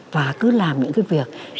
và cứ làm những cái việc